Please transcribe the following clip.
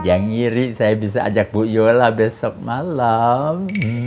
yang ngiri saya bisa ajak bu yola besok malam